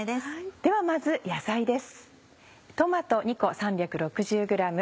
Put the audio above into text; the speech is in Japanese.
ではまず野菜です。